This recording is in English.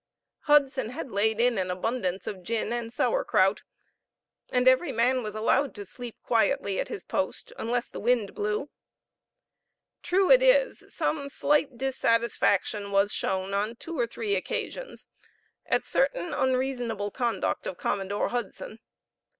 Hudson had laid in abundance of gin and sour krout, and every man was allowed to sleep quietly at his post unless the wind blew. True it is, some slight dissatisfaction was shown on two or three occasions at certain unreasonable conduct of Commodore Hudson.